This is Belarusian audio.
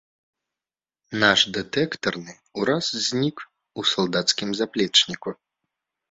Наш дэтэктарны ўраз знік у салдацкім заплечніку.